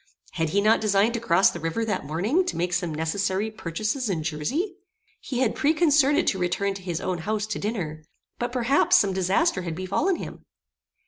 Had he not designed to cross the river that morning to make some necessary purchases in Jersey? He had preconcerted to return to his own house to dinner; but, perhaps, some disaster had befallen him.